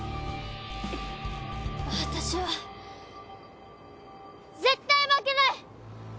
私は絶対負けない！